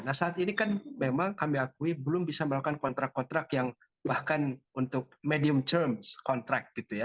nah saat ini kan memang kami akui belum bisa melakukan kontrak kontrak yang bahkan untuk medium terms contract gitu ya